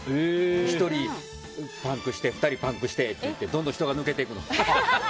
１人パンクして、２人パンクしてどんどん人が抜けていくの。